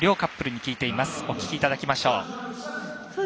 お聞きいただきましょう。